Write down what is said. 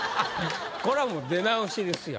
これはもう出直しですよ